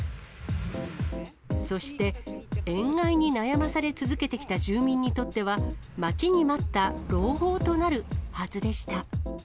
そして、塩害に悩まされ続けてきた住民にとっては、待ちに待った朗報となるはずでした。